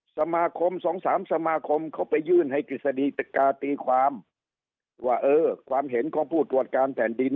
สมาคมสองสามสมาคมเขาไปยื่นให้กฤษฎีกาตีความว่าเออความเห็นของผู้ตรวจการแผ่นดิน